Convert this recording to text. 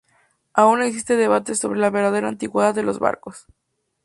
Aún existe debate sobre la verdadera antigüedad de los barcos.